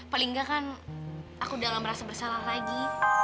paling gak kan aku dalam rasa bersalah lagi